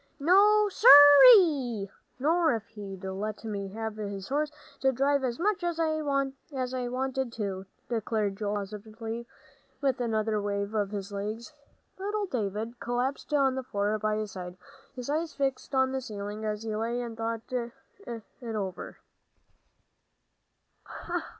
"No, sir ree! Nor if he'd let me have his horse to drive as much as I wanted to," declared Joel, most positively, with another wave of his legs. Little David collapsed on the floor by his side, his eyes fixed on the ceiling, as he lay and thought it over.